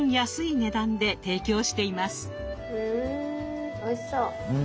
うんおいしそう！